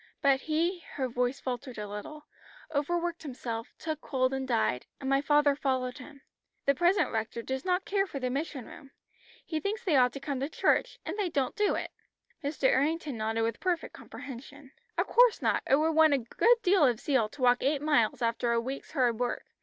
But he " her voice faltered a little, "overworked himself, took cold and died, and my father followed him. The present rector does not care for the mission room. He thinks they ought to come to church, and they don't do it." Mr. Errington nodded with perfect comprehension. "Of course not. It would want a good deal of zeal to walk eight miles after a week's hard work.